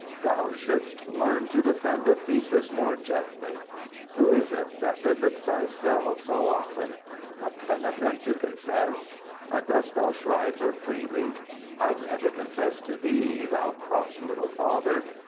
Thou shouldst learn to defend a thesis more gently. Who is it that visits thy cell so often? A penitent to confess? And dost thou shrive her freely? I'd never confess to thee, thou cross little Father!